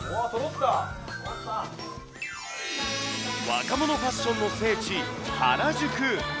若者ファッションの聖地、原宿。